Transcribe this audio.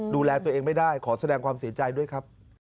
ดูแลตัวเองไม่ได้ขอแสดงความเสียใจด้วยครับ